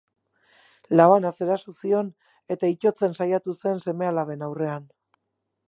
Labanaz eraso zion eta itotzen saiatu zen seme-alaben aurrean.